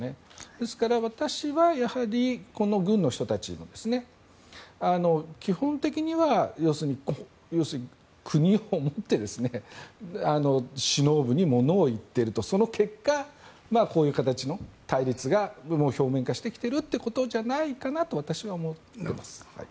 ですから、私はやはりこの軍の人たち基本的には要するに国を思って首脳部に物を言っているとその結果、こういう形の対立が表面化してきているということじゃないかなと私は思っています。